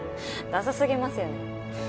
ダサすぎますよね。